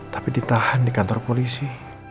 tapi ditahan di kantor polisi